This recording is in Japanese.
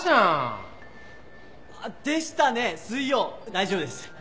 大丈夫です。